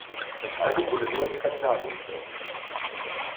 Das Album wurde nur in Skandinavien veröffentlicht.